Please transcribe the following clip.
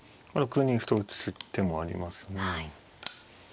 ６二歩と打つ手もありますね。